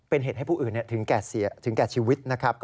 เป็นเหตุให้ผู้อื่นถึงแก่ชีวิตนะครับ